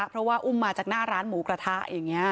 เพราะว่าอุ้มมาจากหน้าร้านหมูกระทะอย่างนี้